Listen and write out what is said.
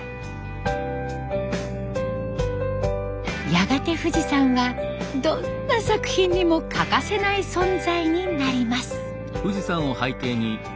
やがて富士山はどんな作品にも欠かせない存在になります。